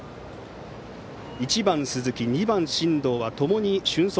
１番、鈴木と２番、進藤はともに俊足。